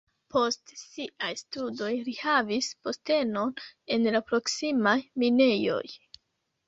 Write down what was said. Post siaj studoj li havis postenon en la proksimaj minejoj.